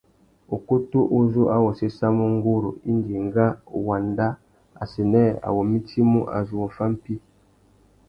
Ukutu uzú a wô séssamú nguru indi enga wandá assênē a wô mitimú a zu wô fá mpí.